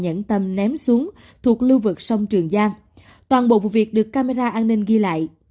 nhẫn tâm ném xuống thuộc lưu vực sông trường giang toàn bộ vụ việc được camera an ninh ghi lại